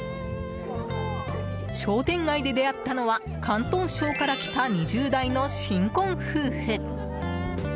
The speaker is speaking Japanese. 商店街で出会ったのは広東省から来た２０代の新婚夫婦。